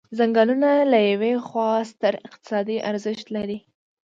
څنګلونه له یوې خوا ستر اقتصادي ارزښت لري.